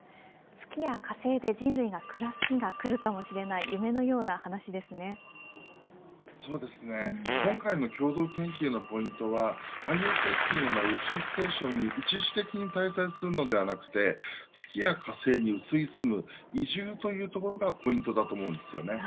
月や火星で人類が暮らす日がくるかもしれない今回の共同研究のポイントはＩＳＳのような宇宙ステーションに一時的に滞在するのではなくて月や火星に移り住む移住というところがポイントだと思います。